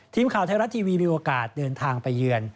ทีมข่าวไทยรัฐทีวีมีโอกาสเดินทางไปเยือน